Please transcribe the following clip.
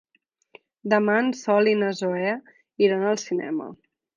Demà en Sol i na Zoè iran al cinema.